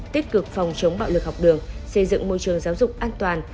tích cực phòng chống bạo lực học đường xây dựng môi trường giáo dục an toàn